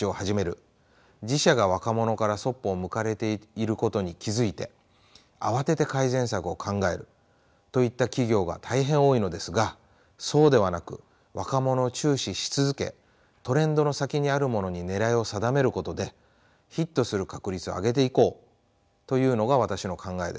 自社が若者からそっぽを向かれていることに気付いて慌てて改善策を考えるといった企業が大変多いのですがそうではなく若者を注視し続けトレンドの先にあるものにねらいを定めることでヒットする確率を上げていこうというのが私の考えです。